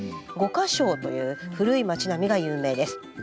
五個荘という古い町並みが有名です。